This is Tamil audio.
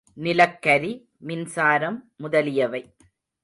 நிலக்கரி, மின்சாரம் முதலியவை.